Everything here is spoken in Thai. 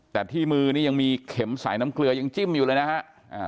แต่ที่มือนี่ยังมีเข็มสายน้ำเกลือยังจิ้มอยู่เลยนะฮะ